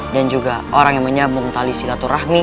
dan juga orang yang menyambung tali silaturahmi